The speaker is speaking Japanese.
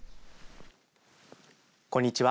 こんにちは。